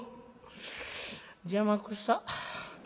「邪魔くさ。